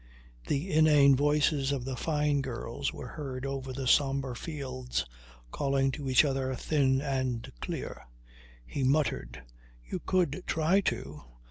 The inane voices of the Fyne girls were heard over the sombre fields calling to each other, thin and clear. He muttered: "You could try to.